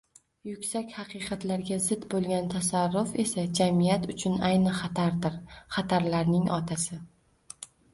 Yuksak haqiqatlarga zid bo‘lgan tasarruf esa jamiyat uchun ayni xatardir – xatarlarning otasi.